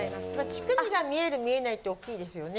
乳首が見える見えないっておっきいですよね。